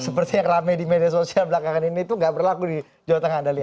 seperti yang rame di media sosial belakangan ini tuh nggak berlaku di jawa tengah anda lihat